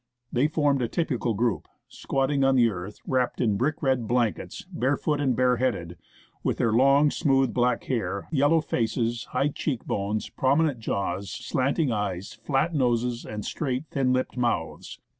They formed a typical group, squatting on the earth, wrapped in brick red blankets, bare foot and bare headed, with their long, smooth black hair, yellow faces, high cheek bones, prominent jaws, slanting eyes, flat noses, and straight, thin lipped mouths.